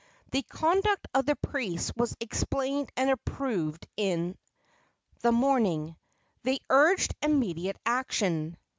The conduct of the priests was explained and approved the next morning. They urged immediate action.